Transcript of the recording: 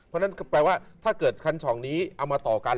เพราะฉะนั้นแปลว่าถ้าเกิดคันช่องนี้เอามาต่อกัน